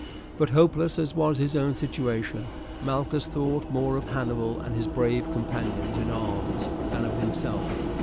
But hopeless as was his own situation, Malchus thought more of Hannibal and his brave companions in arms than of himself.